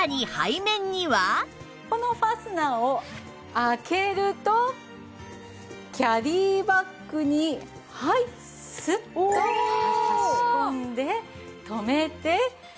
このファスナーを開けるとキャリーバッグにはいスッと差し込んで止めて。